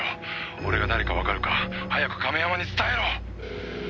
「俺が誰かわかるか早く亀山に伝えろ！」